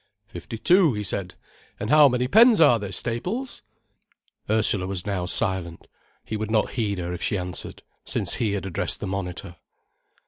"Fifty two," he said. "And how many pens are there, Staples?" Ursula was now silent. He would not heed her if she answered, since he had addressed the monitor.